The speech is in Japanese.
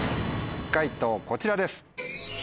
解答こちらです。